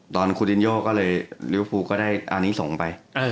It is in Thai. ตอนคูดินโยก็เลยริวฟูก็ได้อาร์นิสงไป